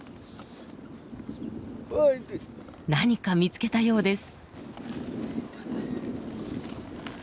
何か見つけたようです。